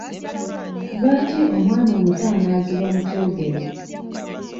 Lwaki omwana omuto anaazibwa mu kyogero?